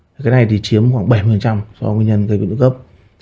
cái này thì chiếm khoảng bảy mươi cho nguyên nhân biến tụy cấp